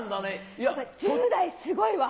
１０代すごいわ。